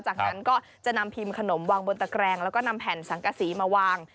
จากนั้นก็จะนำพิมพ์ขนมวางบนตะแกรงแล้วก็นำแผ่นสังกษีมาวาง